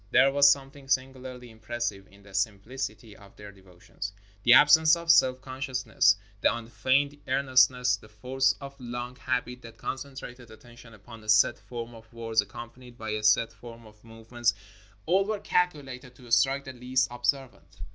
There was something singularly impressive in the simplicity of their devotions. The absence of self con sciousness; the unfeigned earnestness; the force of long 346 THE HOUR OF PRAYER IN THE DESERT habit that concentrated attention upon a set form of words, accompanied by a set form of movements — all were calculated to strike the least observant.